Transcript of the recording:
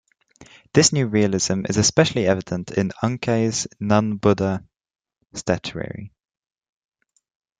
This new realism is especially evident in Unkei's non-Buddha statuary.